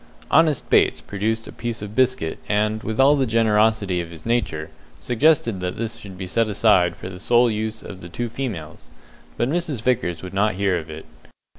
Honest Bates produced a piece of biscuit, and, with all the generosity of his nature, suggested that this should be set aside for the sole use of the two females, but Mrs. Vickers would not hear of it.